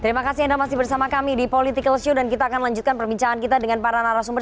terima kasih anda masih bersama kami di political show dan kita akan lanjutkan perbincangan kita dengan para narasumber